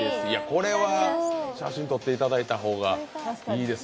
これは写真撮っていただいた方がいいです。